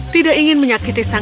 tidak tidak tidak